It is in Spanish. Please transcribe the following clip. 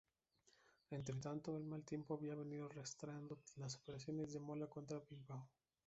Entre tanto, el mal tiempo había venido retrasando las operaciones de Mola contra Bilbao.